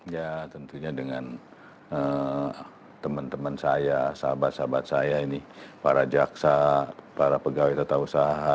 ya tentunya dengan teman teman saya sahabat sahabat saya ini para jaksa para pegawai tetap usaha